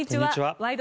「ワイド！